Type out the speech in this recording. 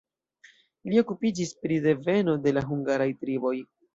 Li okupiĝis pri deveno de la hungaraj triboj.